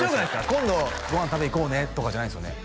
今度ご飯食べに行こうねとかじゃないんですよね